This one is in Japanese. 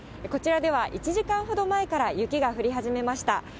こちらでは、１時間ほど前から雪が降り始めました。